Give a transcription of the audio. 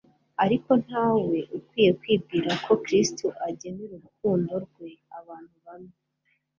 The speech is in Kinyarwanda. Ariko ntawe ukwiye kwibwira ko Kristo agenera urukundo-rwe abantu bamwe.